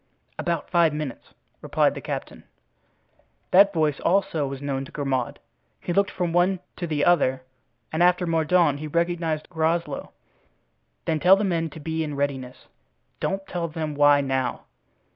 "About five minutes," replied the captain. That voice also was known to Grimaud. He looked from one to the other and after Mordaunt he recognized Groslow. "Then tell the men to be in readiness—don't tell them why now.